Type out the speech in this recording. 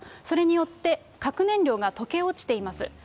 それによって、核燃料が溶け落ちています。